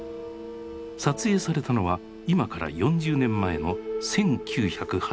撮影されたのは今から４０年前の１９８３年。